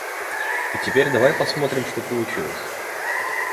И теперь давай посмотрим, что получилось.